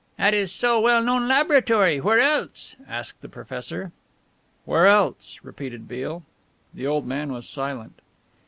"At his so well known laboratory, where else?" asked the professor. "Where else?" repeated Beale. The old man was silent.